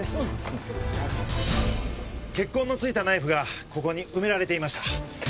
血痕の付いたナイフがここに埋められていました。